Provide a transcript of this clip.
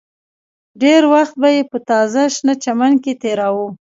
ډېر وخت به یې په تازه شنه چمن کې تېراوه